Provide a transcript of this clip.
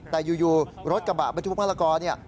แต่อยู่รถกระบะไปทุกภาคละกอ